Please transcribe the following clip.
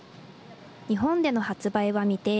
日本での発売は未定。